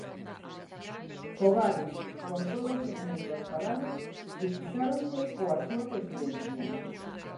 Fogares con todos os membros parados, duplicáronse coa súa presidencia.